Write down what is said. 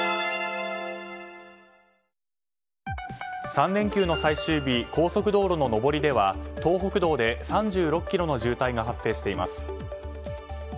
３連休の最終日高速道路の上りでは東北道で３６ｋｍの渋滞が発生しています。